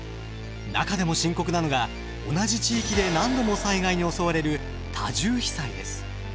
中でも深刻なのが同じ地域で何度も災害に襲われる多重被災です。